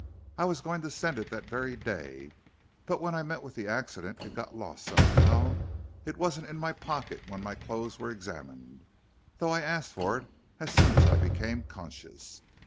I was going to send it that very day, but when I met with the accident it got lost somehow. It wasn't in my pocket when my clothes were examined, though I asked for it as soon as I became conscious.